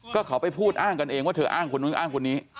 ก็เขาไปพูดอ้างกันเองว่าเธออ้างคนนู้นอ้างคนนี้